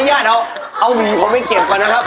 ญาติเอาหวีผมไปเก็บก่อนนะครับ